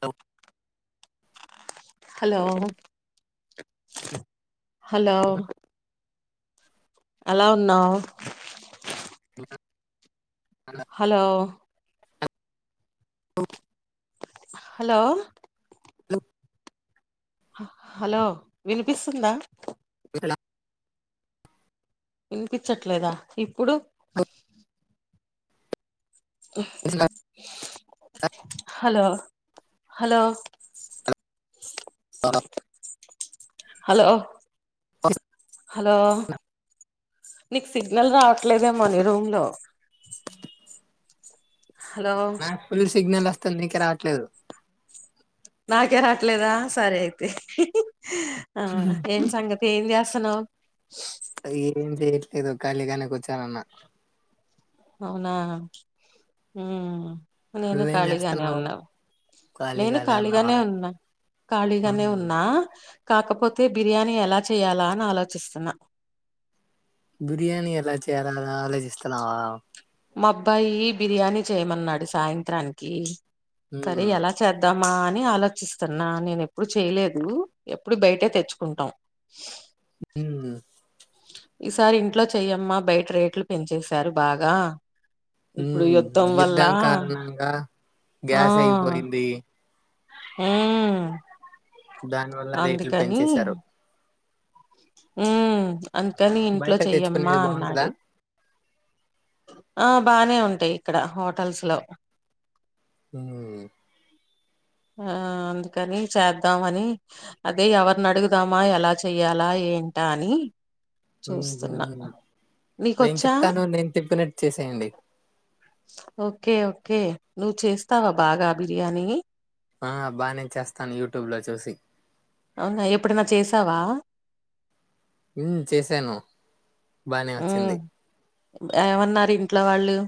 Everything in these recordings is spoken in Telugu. తం హలో హలో ఎలా ఉన్నావు ఇగ హలో హలో హ హలో వినిపిస్తుందా లా వినిపించట్లేదా కుడు ఆఓ హలో హలో అన హలో హలో నీకు సిగ్నల్ రావట్లేదేమో నీ రూమ్ లో హలో నా పుల్ సిగ్నల్ నీకే రావట్లేదు నాకే రాట్లేదా సరే అయితే ఆ ఏం సంగతి ఏం చేస్ సన్నావ్ ఏం చేయట్లేదు లేదో ఖాళీగానే కూర్చొని వున్నా అవునా హుమ్ నేను నువ్వేం ఖాళీగానే చేస్తున్నావు ఉన్నావు నేను ఖాళీగానే ఉన్నా ఖాళీగానే మ్మ్. ఉన్నా కాకపోతే బిర్యానీ ఎలా చేయాలా అని ఆలోచిస్తున్నా బిర్యానీ ఎలా చేయాలని ఆలోచిస్తున్నావా మా అబ్బాయి బిర్యానీ చేయమన్నాడు సాయంత్రానికి సరే మ్మ్. ఎలా చేద్దాం మా అని ఆలోచిస్తున్నా నేను ఎప్పుడు చేయలేదు ఎప్పుడు బయటే తెచ్చుకుంటాం మ్మ్. ఈసారి ఇంట్లో చెయ్యమ్మా బయట రేట్లు పెంచేశారు బాగా ఉ ఇప్పుడు వల్ల యుద్ధం కారణంగా గ్యాస్ అయిపోయింది ఊమ్ దాని వల్ల రేట్లు పెంచేశారు ఉహు అందుకని ఇంట్లో బయట చెయ్యమ్మా తెచ్చుకునేది బాగుంటుందా అన్నాడు ఆ బానే ఉంటాయి ఇక్కడ హోటల్స్ లో హ ఆ అందుకని చేద్దామని అదే ఎవరిని అడుగుదామా ఎలా చెయ్యాలా ఏంటి ఉంటాని చూస్తున్నా మ్మ్. నేను నీకొచ్చా చెప్తాను నేను చెప్పినట్టు చేసేయండి ఓకే ఓకే నువ్వు చేస్తావా బాగా బిర్యానీ ఆ బాగానే చేస్తాను యూట్యూబ్లో చూసి అవునా ఎప్పుడనా చేసావా ఇ చేశాను బానే ఉ వచ్చింది ఏమన్నారు ఇంట్లో వాళ్ళు అ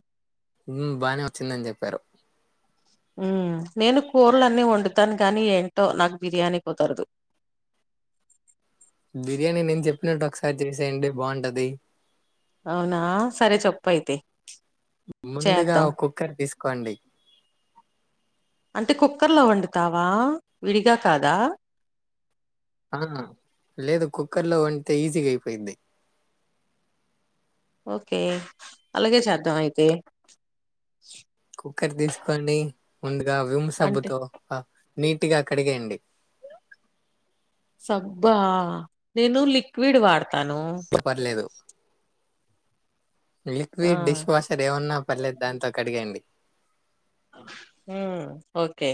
బానే వచ్చిందని చెప్పారు ఉ నేను కూరలన్నీ వండుతాను గానీ ఏంటో నాకు బిర్యానీ కుదరదు బిర్యానీ నేను చెప్పినట్టు ఒకసారి చేసేయండి బాగుంటది అవునా సరే చొప్పైతే ముందుగా ఒకఓ కుక్కర్ తీసుకోండి కుర్లో వండుతావా విడిగా కాదా ఆ లేదు కుక్కర్ లో వంటే ఈజీగా అయిపోయింది ఓకే అలాగే చేద్దాం అయితే కుక్కర్ తీసుకోంని ఉంది ఇ విము అంటే సబుతో నీటిగా అక్కడిగేయండి సబ్బా నేను లిక్విడ్ వాడుత పర్లేదు ఆ లిక్విడ్ డిష్ వాషర్ ఏవన్నా పర్లేదు దాంతో అడిగండి హ ఓకే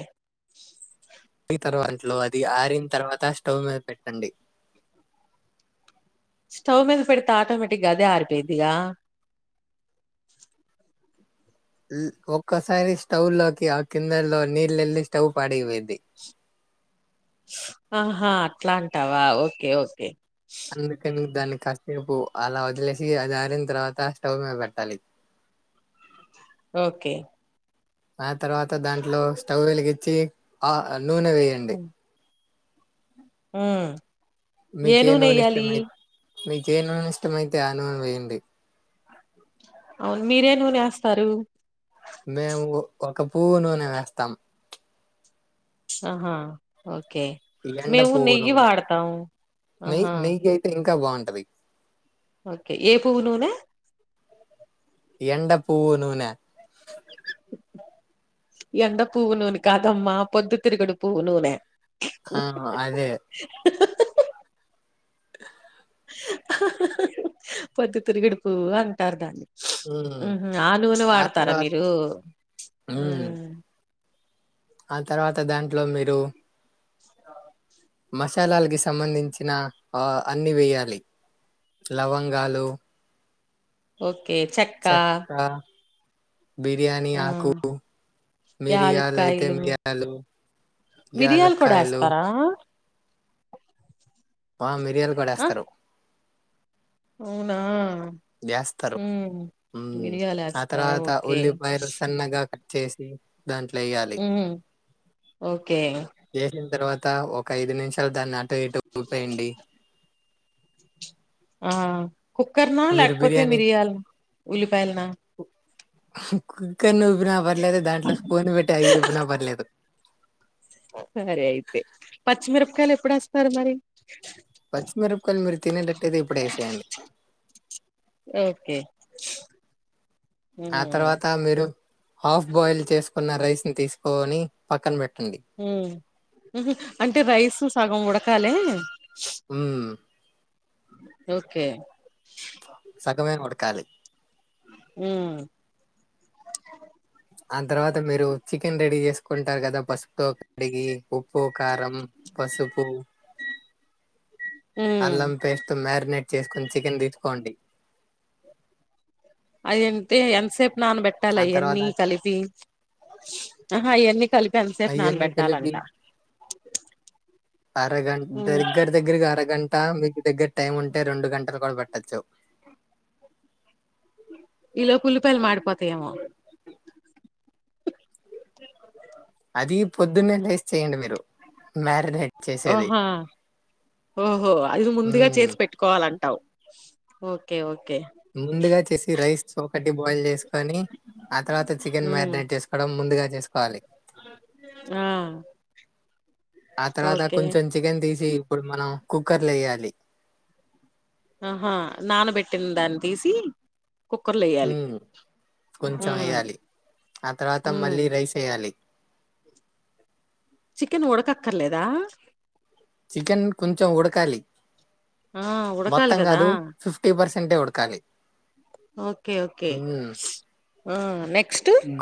ప తర్వాంట్లో అది ఆరిన తర్వాత స్టవ్ మీద పెట్టండి స్టవ్ మీద పెడితా ఆటోమేటిక్గాదే ఆారిపోయిదియా ఒక్కసారి స్టవ్ లోకి ఆ కిందలో నీళ్ళెళ్లి స్టవ్ పాడియేది ఆహా అట్లాంటావా ఓకే ఓకే అందుక ని దానికి కాససేపు అలా వదిలేసి అది ఆారన తర్వాత స్టవ్ మీద పెట్టాలి ఓకే ఆ తర్వాత దాంట్లో స్టవ్ వెలిగ ఆ నూనె వేయండి [inaudible] హ ఏనుూ నెయ్యాలి మీకు యే నూనె ఇష్టమైతే ఆ నూనె వేయండి అవును మీరే నూనేస్తారు మేము ఒక పువ్వు నూనె వేస్తాం ఆహా ఓ ఓకే ఎండ మేము పువ్వు నెయ్యి నూనె వాడతాము నెయ్యి ఆహా నెయ్యి అయితే ఇంకా బావుంటది ఓకే ఏ పూవు నూనె ఎండ పూవు నూనె ఎండ పూవు నూనె కాదమ్మా పొద్దు తిరుగుడు పూవు నూనె ఆ అదే పొద్దు తిరుగుడు పూవు అంటారు దాన్ని ఉమ్ ఊహూ నూనె ఆ వాడతారా తర్వాత మీరు ఉమ్ ఆ తర్వాత దాం దో మీరు [inaudible] మసాలాలకి సంబంధించిన ఆ అన్ని వేయాలి లవంగాలు ఓ కే చెక్క బిర్యానీ ఆ ఆకు మిరియాలు అయితే యాలుక్కాయలు మిరియాలు మిరియాలు కూడా యాలక్కాయలు వేస్తారా ఆ మిరియాలు కూడా ఆ ఏస్తారు అవునా జాస్తరు ఉమ్ హ్మ్ మిరియాలు ఆ వేస్తారా తర్వాత ఓకే ఉల్లిపాయలు సన్నగా క చేసి దాంట్లో వేయాలి హ్మ్ ఓకే వేసిన తర్వాత ఒక ఐదు నుంచి దాన్ని అటూ ఇటూ ఊపేయండి ఆ కుక్కర్నా మీరు లేకపోతే బిర్యానీ మిరియాల ఉల్లిపాయలనా కుక్కర్ ని ఊపినా పర్లేదు దాంట్లో స్పూన్ పెట్టి అయ్యి ఊపిన పర్లేదు సరే అయితే పచ్చిమిరపకాయలు ఎప్పుడు వేస్తారు మరి పచ్చిమిరపకాయలు మీరు తినేటట్టయితే ఇప్పుడే వేసేయండి ఓకే ఆ ఉమ్ తర్వాత మీరు హాఫ్ బాయిల్ చేసుకున్న రైస్ తీసుకోని పక్కన పెట్ట్ హ్మ్ ఊహూ అంటే రైస్ సగం ఉడ కాలి హ్మ్ ఓకే సగమే ఉడకాలి హ్మ్ ఆ తర్వాత మీరు చికెన్ రెడీ చేసుకుంటారు కదా పసుపు తో కడిగి ఉప్పు కారం పసుపు ఉమ్ అల్లం పేస్ట్ మేర్నేట్ చేసుకొని చికెన్ తీసుకోండి అది ఎంతే ఎంతసేపు నానబెట్టాలి ఆ తర్వాత అయన‌్నీ కలిపి అహా అయన్నీ కలిపి ఎంతసేపు ఇవన్నీ కలిపి నానబెట్టాలంట హ్మ్ ట మీకు దగ్గర టైమ్ ఉంటే రెండు గంటలు కూడా పెట్టచ్చు ఈలోపు ఉల్లిపాయలు మాడిపోతయోమో అది పొద్దున్నే లేసి చేయండి మీరు మ్యారినేట్ చేసేది ఆహా ఓహో అది ముందుగా మ్మ్ చేసి పెట్టుకోవాలం ఓకే ఓ ముందుగా చేసి రైస్ ఒకటి బాయిల్ చేసుకొని ఆ తర్వాత చికెన్ ఉమ్ మ్యారినేట్ చేసుకోవడం ముందుగా చేసుకోవాలి ఆ ఆ తర్వాత ఓకే కొంచెం చికెన్ తీసి ఇప్పుడు మనం కుక్కర్ లో వేయాలి లీ ఆహా నానబెట్టిద‌్దాన‌్ని తీసి కుక్కర్లో వేయాలి హ్మ్ కొంచెం ఉమ్ వెయ్యాలి ఆ తర్వాత ఉమ్ మళ్ళీ రైస్ వెయ్యాలి చికెన్ ఉడకక్కర్లేదా? చికెన్ కొంచెం ఉడకాలి ఆ ఉడకాలి మొత్తం కదా కాదు ఫిఫ్టీ పర్సె తంటే ఉడుకాలి ఓకే ఓకే ఆ నెక్స్ట్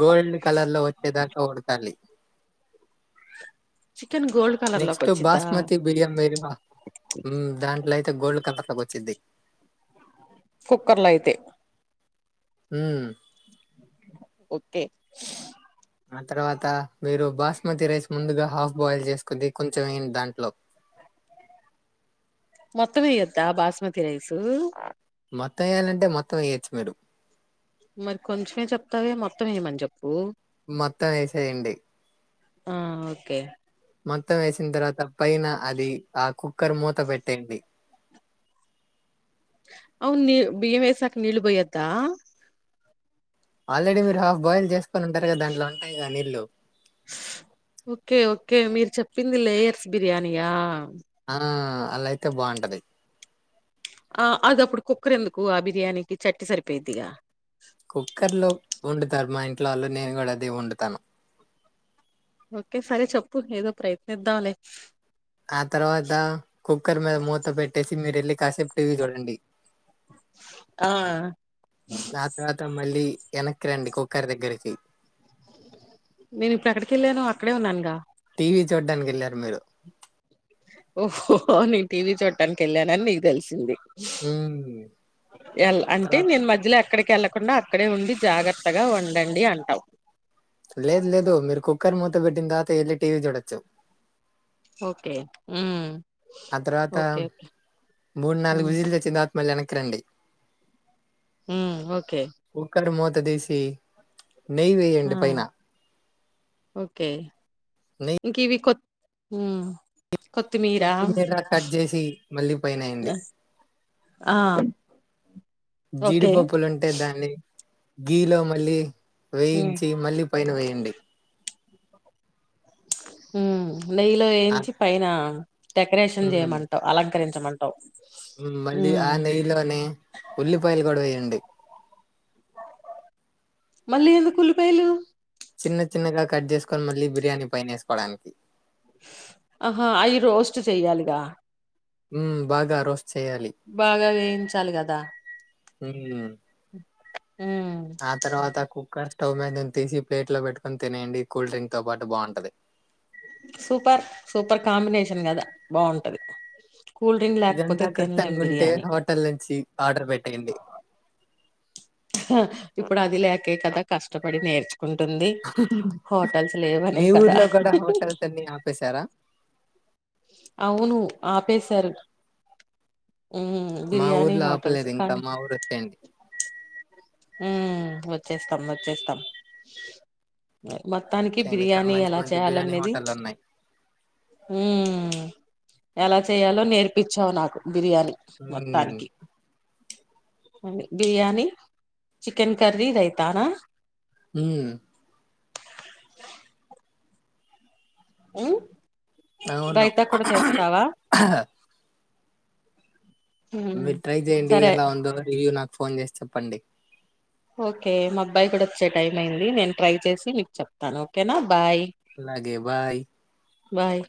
గోల్డ్ కలర్ లో వచ్చేదాకా ఉడతకాలి చికెన్ గోల్డ్ కలర్ లోకి నెక్స్ట్ వచ్చిద్దా బాస్మతి బిడియావా దాంట్లో అయితే గోల్డ్ కలర్లాకి వచ్చిది కుక్కర్ల అయితే మ్ కతే ఆ తర్వాత మీరు బాస్మతి రైస్ ముందుగా హాఫ్ బాయిల్ చేసుకుంది కొంచెం ఏంటి దాంట్లో మొత్తం ఏయ్యోద్దా బాస్మతి రైసు మొత్తం వేయ్యాలంటే మొత్తం వేయొచ్చు మీరు మరి కొంచమే చెప్తావే, మొత్తం ఏయమని చెప్పు. మొత్తం ఏసేయ‌్యండి. ఆ ఓకే. మొత్తం వేసిన తర్వాత, పైన అది ఆకు. కుక్కర్ మూత పెట్టేయండి. అవున్ ని బియ్యం వేసాక నీళ్ళు పోయొద్దా. ఆల్రెడీ మీరు హాఫ్ బాయిల్ చేసుకని ఉంటారు కదా, దాంట్లో ఉంటాయి కదా నీళ్ళు. ఓకే ఓకే మీరు చెప్పింది లేయర్స్ బిర్యానీ ఆ. ఆ అలా అయితే బాగుంటది. ఆ అది అప్పుడు కుక్కర్ ఎందుకు, ఆ బిర్యానీకి చట్నీ సరిపోయిద్దిగా. కుక్కర్లో వండుతారు మా ఇంట్లో వాళ్ళు, నేను కూడా అదే వండుతాను. ఓకే సరే చెప్పు ఏదో ప్రయత్నిద్దాం లే. ఆ తర్వాత కుక్కర్ మీద మూత పెట్టేసి, మీరు ఎళ్ళి కాసేపు టీవీ చూడండి. ఆ దాన్ తర్వాత మళ్ళీ. ఎనక్కి రండి కుక్కర్ దగ్గరికి. నేను ఇప్పుడు ఎక్కడికి ఎళ్ళాను అక్కడే ఉన్నాన్గా. టీవీ చూడ్డానికి వెళ్ళారు మీరు. ఓహో నేన్ టీవీ చూడటానికి వెళ్ళానని నీకు తెలిసింది. ఉమ్ ఏల్ అంటే తర్వాత నేను మధ్యలో ఎక్. ఎక్కడికి వెళ్లకుండా అక్కడే ఉండి, జాగ్రత్తగా వండండి అంటావ్. లేదు లేదు మీరు కుక్కర్ మూత పెట్టిన తర్వాత, వెళ్ళి టీవీ చూడచ్చు. ఓకే ఉమ్మ్. ఆ తర్వాత మూడు, నాలుగ్ ఉమ్ విజిల్ తెచ్చింద్ తర్వాత్. మల్ల ఏనక్కి రండి. హుమ్మ్ ఓకే. పడేసి. నెయ్యి ఆ వేయండి పైన. ఓకే నెయ్యి ఇంకా ఇవి కొత్ ఉమ్. కొత్తిమీర కట్ చేసి మళ్ళీ పైన ఎయ్యండి. ఆ ఆ ఓకే జీడిపప్పులు ఉంటే దాన్ని. గీ లో మళ్ళీ. ఉమ్ వేయించి, మళ్ళీ పైన వేయండి. హుమ్మ్. నెయ్యిలో ఆ వేయించి పైన. డెకరేషన్ హ్మ్. చేయమంటావు, అలకరించమన్ టాస్. మళ్ళీ ఆ నెయ్యిలోనే, ఉల్లిపాయలు కూడా వెయ్యండి. మళ్ళీ ఎందుకు ఉల్లిపాయలు. చిన్న చిన్నగా కట్ జేసుకొని మళ్ళీ బిర్యానీ పైనే వేసుకోవడానికి ఆహా అయి రోస్ట్ చెయ్యాలిగా హ్మ్. బాగా రోస్ట్ చేయాలి. బాగా వేయించాలి గదా ఉ హ ఆ తర్వాత కుక్క స్టవ్ మీద తీసి ప్లేట్ లో పెట్టుకని తినేయండి కూల్ డ్రింక్ తో పాటు బాగుంటది సూపర్ సూపర్ కాంబినేషన్ గదా బాగుంటది కూల్ డ్రింక్ లేకపోతే ఇదంతా తినలేం కష్టంగా ఉంటే బిర్యానీ హోటల్ నుంచి ఆర్డర్ పెట్టేయండి ఇప్పుడు అది లేకే కదా కష్టపడి నేర్చు లేవనే మీ కదా ఊర్లో కూడా హోటల్స్ అన్ని ఆపేశారా అవును ఆపేశారు ఉమ్ మా బిర్యానీ ఊర్లో హోటల్స్ ఆపలేదు కానీ ఇంకా మా ఊరు వచ్చేయండి ఉ వచ్చేస్తాం వచ్చేస్తాం మొత్తానికి చేయండి ఇక్కడ బిర్యానీ మంచి ఎలా మంచి బిర్యానీ చేయాలనేది హోటళ్ళున్నాయి. హ ఎలా చేయాలో నేర్పిచావు నాకు బిర్యానీ హ్మ్. మొత్తానికి బిర్యానీ చికెన్ కర్రీ రైతానాా ఉ ఉ అవును. రైత కూడా చేస్తావా ఉమ్ మీరు ట్రై జెయ్యండి సరే ఎలా వుందో రివ్య్ నాకు ఫోన్ జేసి చెప్పండి ఓకే మా అబ్బాయి కూడా వచ్చే టైం అయింది నేను ట్రై చేసి మీకు చెప్తాను ఓకేనా బాయ్ అలాగే బాయ్ బాయ్